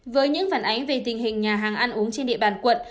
với những phản ánh về tình hình nhà hàng ăn uống trên địa bàn quận